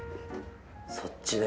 そっちね。